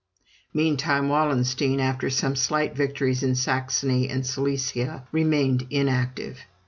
Meantime Wallenstein, after some slight victories in Saxony and Silesia, remained inactive.